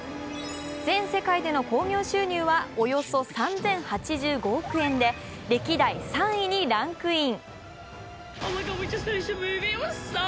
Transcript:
全世界での興行収入はおよそ３０８５億円で歴代３位にランクイン。